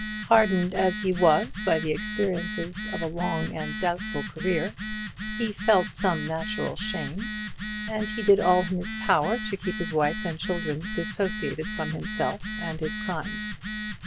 Hardened as he was by the experiences of a long and doubtful career, he felt some natural shame; and he did all in his power to keep his wife and children dissociated from himself and his crimes.